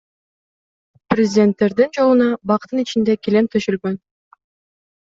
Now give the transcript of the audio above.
Президенттердин жолуна бактын ичинде килем төшөлгөн.